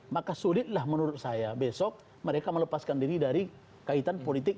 maka sulitlah menurut saya besok mereka melepaskan diri dari kaitan politik